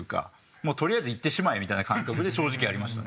もうとりあえずいってしまえみたいな感覚で正直やりましたね。